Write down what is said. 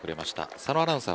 佐野アナウンサー